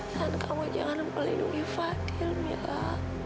dan kamu jangan melindungi fadil mila